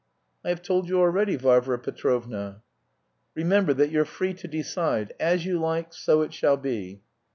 "I have told you already, Varvara Petrovna." "Remember that you're free to decide. As you like, so it shall be."